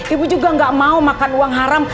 ibu juga gak mau makan uang haram